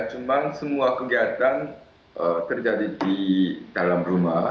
cuma semua kegiatan terjadi di dalam rumah